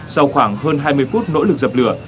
sau khoảng hơn hai mươi phút nỗ lực dập lửa